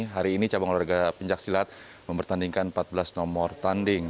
hari ini cabang olahraga pencaksilat mempertandingkan empat belas nomor tanding